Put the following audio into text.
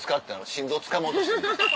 心臓つかもうとしてる。